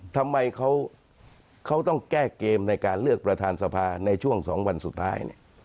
ทำไมเขาต้องแก้เกมในการเลือกประธานสภาในช่วง๒วันสุดท้าย